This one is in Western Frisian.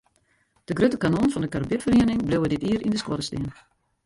De grutte kanonnen fan de karbidferiening bliuwe dit jier yn de skuorre stean.